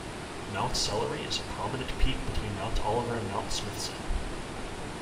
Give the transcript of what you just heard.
Mount Sellery is a prominent peak between Mount Oliver and Mount Smithson.